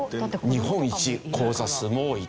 日本一口座数も多いと。